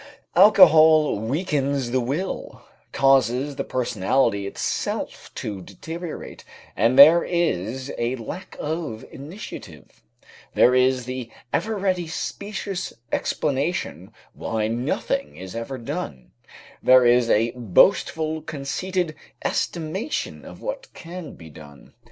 Alcohol weakens the will, causes the personality itself to deteriorate, and there is a lack of initiative; there is the ever ready specious explanation why nothing is ever done; there is a boastful conceited estimation of what can be done.